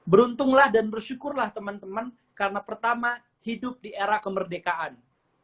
beruntunglah dan bersyukurlah teman teman karena pertama hidup di era kemerdekaan